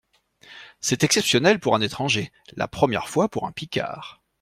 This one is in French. C’est exceptionnel pour un étranger, la première fois pour un Picard.